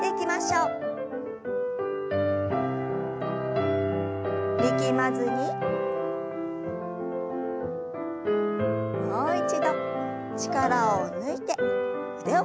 もう一度力を抜いて腕を振りましょう。